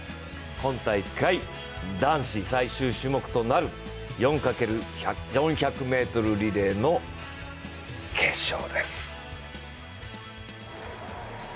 今大会、男子最終種目となる４×４００ｍリレーの決勝です。